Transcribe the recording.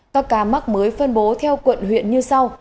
các ca mắc mới phân bố theo quận huyện như sau